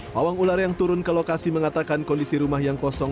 pawang ular yang turun ke lokasi mengatakan kondisi rumah yang kosong